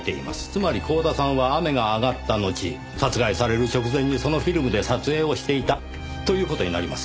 つまり光田さんは雨が上がったのち殺害される直前にそのフィルムで撮影をしていたという事になります。